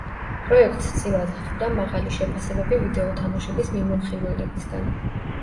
პროექტს წილად ჰხვდა მაღალი შეფასებები ვიდეო თამაშების მიმოხილველებისგან.